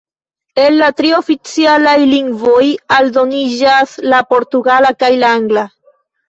Al la tri oficialaj lingvoj aldoniĝas la portugala kaj la angla.